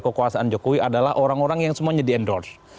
kekuasaan jokowi adalah orang orang yang semuanya di endorse